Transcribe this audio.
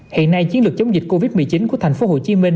hiện nay chiến lược chống dịch covid một mươi chín của thành phố hồ chí minh